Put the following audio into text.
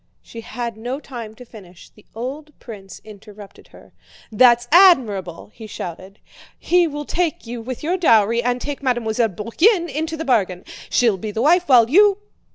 She had no time to finish. The old prince interrupted her. "That's admirable!" he shouted. "He will take you with your dowry and take Mademoiselle Bourienne into the bargain. She'll be the wife, while you..."